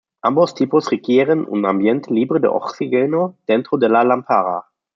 Ambos tipos requieren un ambiente libre de oxígeno dentro de la lámpara.